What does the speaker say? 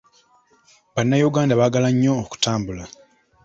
Bannayuganda baagala nnyo okutambula.